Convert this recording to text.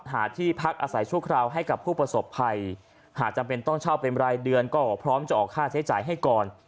หาที่พักอาศัยชั่วคราวให้กับผู้ประสบภัยหากจำเป็นต้องเช่าเป็นรายเดือนก็พร้อมจะออกค่าใช้จ่ายให้ก่อน